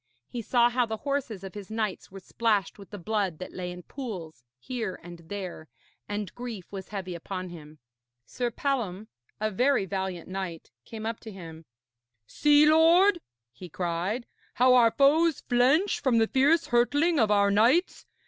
He saw how the horses of his knights were splashed with the blood that lay in pools here and there, and grief was heavy upon him. Sir Palom, a very valiant knight, came up to him. 'See, lord,' he cried, 'how our foes flinch from the fierce hurtling of our knights.